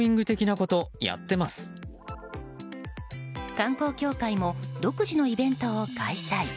観光協会も独自のイベントを開催。